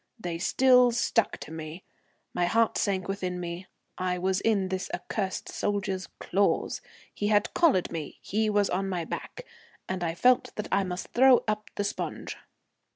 They still stuck to me. My heart sank within me. I was in this accursed soldier's claws. He had collared me, he was on my back, and I felt that I must throw up the sponge.